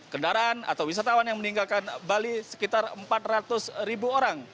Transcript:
kendaraan atau wisatawan yang meninggalkan bali sekitar empat ratus ribu orang